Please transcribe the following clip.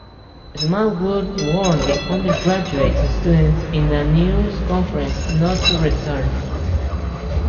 Smallwood warned the undergraduate student in a news conference not to return.